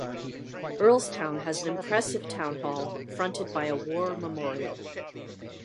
Earlestown has an impressive town hall, fronted by a war memorial.